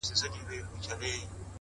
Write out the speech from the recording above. خداى دي له بدوسترگو وساته تل،